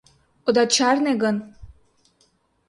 Ода чарне гын...